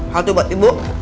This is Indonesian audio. satu buat ibu